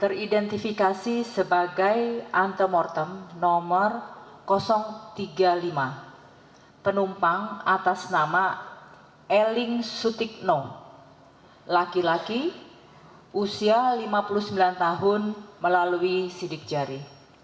teridentifikasi sebagai antemortem nomor tiga puluh lima penumpang atas nama eling sutikno laki laki usia lima puluh sembilan tahun melalui sidik jari